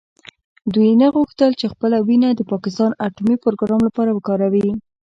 دوی نه غوښتل چې خپله وینه د پاکستان اټومي پروګرام لپاره وکاروي.